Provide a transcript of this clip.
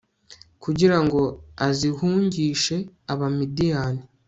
kugira ngo azihungishe abamadiyani